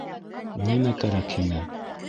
- Нимә кәрәк һиңә?